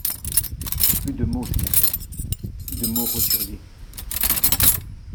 Plus de mot sénateur! plus de mot roturier !